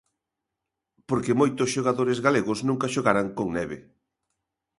Porque moitos xogadores galegos nunca xogaran con neve.